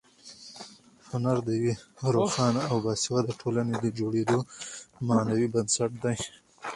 هنر د یوې روښانه او باسواده ټولنې د جوړېدو معنوي بنسټ دی.